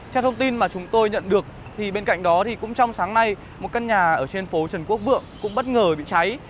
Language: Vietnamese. theo thông tin mà chúng tôi nhận được bên cạnh đó cũng trong sáng nay một căn nhà ở trên phố trần quốc vượng cũng bất ngờ bị cháy